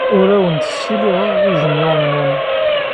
Ur awen-d-ssiliɣeɣ ijenyuṛen-nwen.